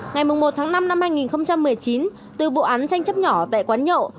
ngày một tháng năm năm hai nghìn một mươi chín từ vụ án tranh chấp nhỏ tại quán nhậu